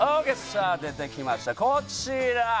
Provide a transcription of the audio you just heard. さあ出てきましたこちら。